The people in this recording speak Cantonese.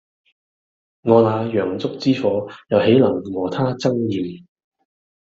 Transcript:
我那洋燭之火又豈能和他爭艷